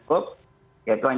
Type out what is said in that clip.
kemudian lalu lah ya